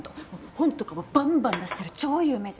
本とかもバンバン出してる超有名人。